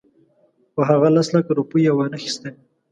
خو هغه لس لکه روپۍ یې وانخیستلې.